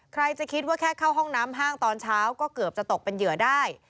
ใครจะคิดว่าแค่เข้าห้องน้ำห้างตอนเช้าก็เกือบจะตกเป็นเหยื่อได้